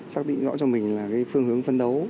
xác định rõ cho mình là cái phương hướng phân đấu